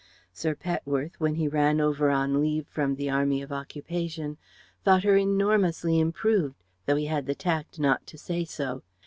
Sir Petworth, when he ran over on leave from the Army of Occupation, thought her enormously improved, though he had the tact not to say so.